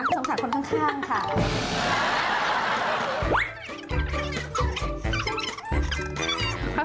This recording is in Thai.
สงสารคนข้างค่ะ